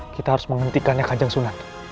kita harus menghentikannya kanjang sunan